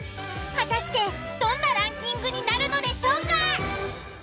果たしてどんなランキングになるのでしょうか？